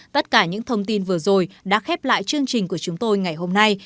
tất cả những thông tin vừa rồi đã khép lại chương trình của chúng tôi ngày hôm nay